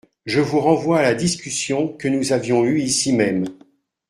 Je vous renvoie à la discussion que nous avions eue ici même.